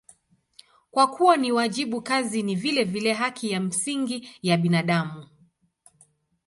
Kwa kuwa ni wajibu, kazi ni vilevile haki ya msingi ya binadamu.